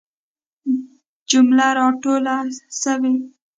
جمله را ټوله سوي.